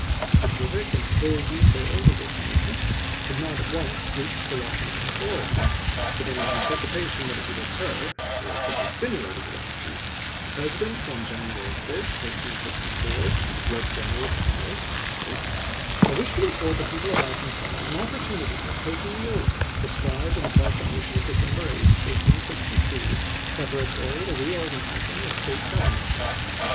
Specific and full details of this movement did not at once reach the Washington authorities, but in anticipation that it would occur, or could be stimulated to action, the President, on January 5, 1864, wrote General Steele : I wish to afford the people of Arkansas an opportunity of taking the oath prescribed in the proclamation of De cember 8, 1863, preparatory to reorganizing a State gov ernment there.